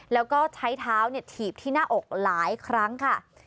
แล้วก็ใช้เท้าถีบที่หน้าอกหลายครั้งค่ะ